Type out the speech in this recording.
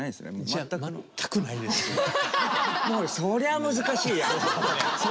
そりゃ難しいや！